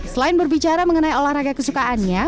selain berbicara mengenai olahraga kesukaannya